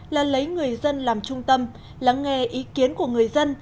là lấy người dân làm trung tâm lắng nghe ý kiến của người dân